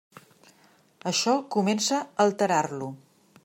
Això comença a alterar-lo.